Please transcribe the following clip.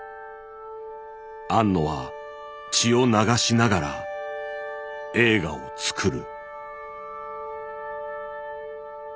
「庵野は血を流しながら映画を作る」。